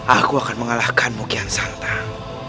aku akan mengalahkan kukian santan